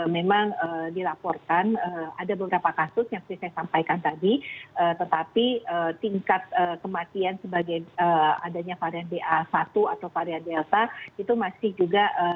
memang dilaporkan ada beberapa kasus yang seperti saya sampaikan tadi tetapi tingkat kematian sebagai adanya varian ba satu atau varian delta itu masih juga